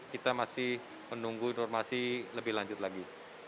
kita masih menunggu informasi lebih lanjut lagi